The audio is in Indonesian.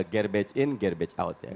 garbage in garbage out ya